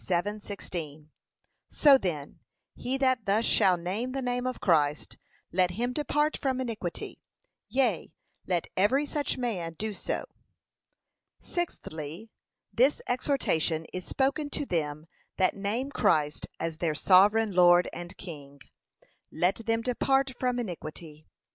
7:16) So then, he that thus shall name the name of Christ, let him depart from iniquity: yea, let every such man do so. Sixthly, This exhortation is spoken to them that name Christ as their Sovereign Lord and King: let them 'depart from iniquity.'